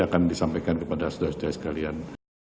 akan disampaikan kepada saudara saudara sekalian